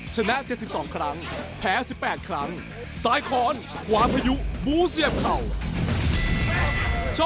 ชนะ๗๒ครั้งแผล๑๘ครั้งซ้ายคอนขวามพยุกิบุ้งเสี้ยบเคราช่อ